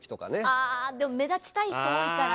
ああでも目立ちたい人多いから。